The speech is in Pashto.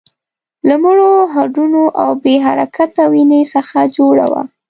له مړو هډونو او بې حرکته وينې څخه جوړه وه.